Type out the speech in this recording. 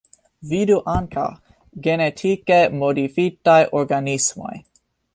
Vidu ankaŭ: Genetike modifitaj organismoj.